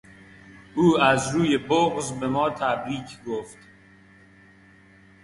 او از روی بغض به ما تبریک گفت.